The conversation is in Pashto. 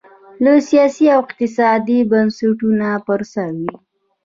د سیاسي او اقتصادي بنسټونو پر سر وې.